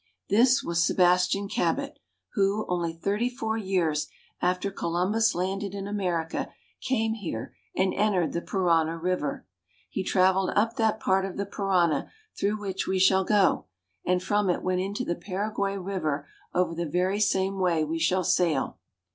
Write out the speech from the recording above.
This was Sebastian Cabot, who, only thirty four years after Columbus landed in America, came here and entered the Parana river. He traveled up that part of the Parana through which we shall go, and from it went into the Paraguay river over the very same way we shall sail.